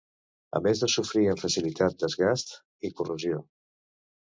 A més de sofrir amb facilitat desgast i corrosió.